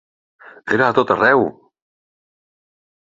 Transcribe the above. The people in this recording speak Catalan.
Era a tot arreu!